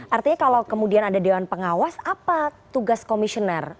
artinya kalau kemudian ada dewan pengawas apa tugas komisioner